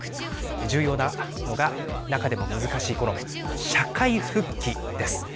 重要なのが中でも難しい、この社会復帰です。